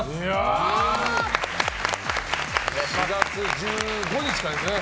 皆さん４月１５日からですね。